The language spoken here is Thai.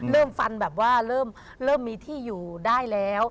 เริ่มฟันแบบว่าเริ่มมีที่อยู่ได้แล้ว